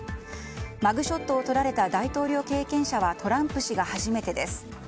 マグショットを撮られた大統領経験者はトランプ氏が初めてです。